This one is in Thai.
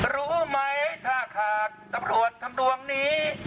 รู้ไหมถ้าขาดตำรวจทำดวงนี้